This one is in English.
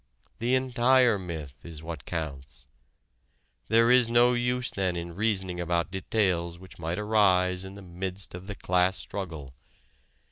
The entire myth is what counts.... There is no use then in reasoning about details which might arise in the midst of the class struggle